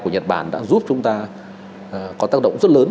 của nhật bản đã giúp chúng ta có tác động rất lớn